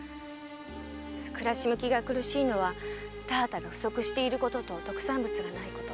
暮らし向きが苦しいのは田畑が不足していることと特産物がないこと。